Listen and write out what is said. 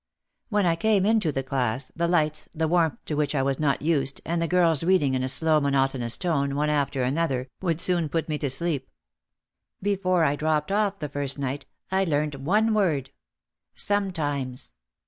When I came into the class, the lights, the warmth to which I was not used, and the girls reading in a slow monotonous tone, one after anoth er, would soon put me to sleep. Before I dropped off the first night I learned one word, "Sometimes."